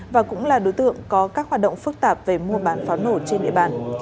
và cũng là đối tượng có các hoạt động phức tạp về mua bán pháo nổ trên địa bàn